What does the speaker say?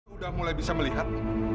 udah mulai bisa melihat